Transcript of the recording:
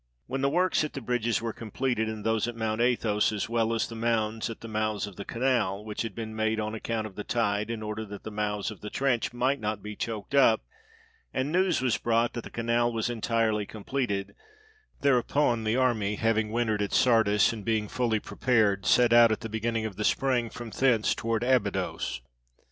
When the works at the bridges were completed, and those at Mount Athos, as well as the mounds at the mouths of the canal, which had been made on account of the tide, in order that the mouths of the trench might not be choked up, and news was brought that the canal was entirely completed; thereupon the army, having wintered at Sardis, and being fully prepared, set out at the beginning of the spring from thence toward Aby dos.